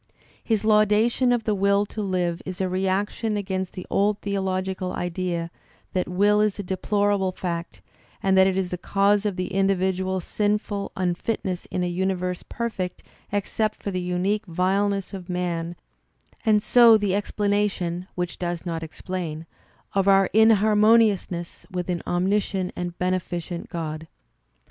'' His laudation of the will to live is a reaction against the old theological idea that will is a deplorable fact, that it is the cause of the individual's sinful unfitness in a universe perfect except for the unique vileness of man and so the ex planation (which does not explain) of our inharmoniousness with an omniscient and beneficent god.